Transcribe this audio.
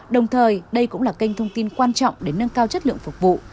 đồng thời đây cũng là kênh thông tin quan trọng để nâng cao chất lượng phục vụ